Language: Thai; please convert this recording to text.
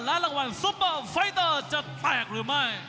รางวัลซุปเปอร์ไฟเตอร์จะแตกหรือไม่